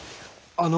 あの。